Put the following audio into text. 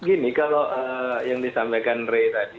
begini kalau yang disampaikan rey tadi